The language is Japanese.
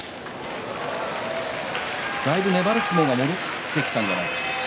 だいぶ粘る相撲が戻ってきたのではないでしょうか。